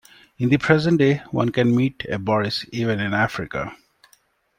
In the present day, one can meet a Boris even in Africa.